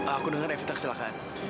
aku dengar evita kesalahan